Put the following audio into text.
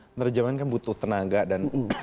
sejarah zaman kan butuh tenaga dan